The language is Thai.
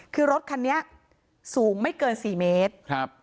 คือรถคันนี้สูงไม่เกิน๔เมตร